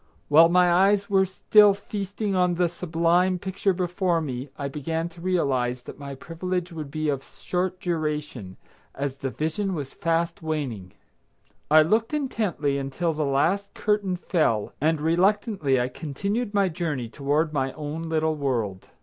While my eyes were still feasting on the sublime picture before me I began to realize that my privilege would be of short duration, as the vision was fast waning. I looked intently until the last curtain fell, and reluctantly I continued my journey toward my own little world.